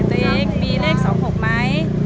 ตัวเองมีเลข๒๖ไหม